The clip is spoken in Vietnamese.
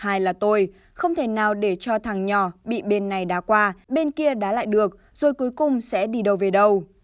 thứ hai là tôi không thể nào để cho thằng nhỏ bị bên này đá qua bên kia đá lại được rồi cuối cùng sẽ đi đâu về đâu